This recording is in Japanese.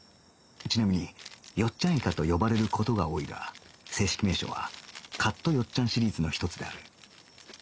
ちなみによっちゃんイカと呼ばれる事が多いが正式名称はカットよっちゃんシリーズの１つである